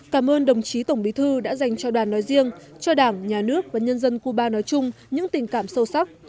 cảm ơn đồng chí tổng bí thư đã dành cho đoàn nói riêng cho đảng nhà nước và nhân dân cuba nói chung những tình cảm sâu sắc